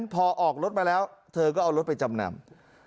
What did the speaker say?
พอออกรถมาแล้วเธอก็เอารถไปจำนำ